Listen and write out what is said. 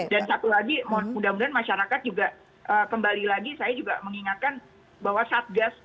dan satu lagi mudah mudahan masyarakat juga kembali lagi saya juga mengingatkan bahwa satgas